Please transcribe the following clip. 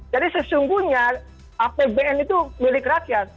jadi sesungguhnya apbn itu milik rakyat